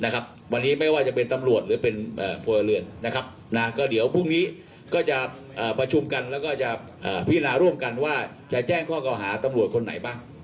ก็เดี๋ยวพรุ่งนี้ก็จะประชุมกันแล้วก็จะพินาศร่วมกันว่าจะแจ้งข้อเข้าหาตำรวจคนไหนบ้าง